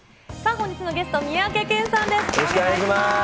さあ、本日のゲスト、三宅健さんです。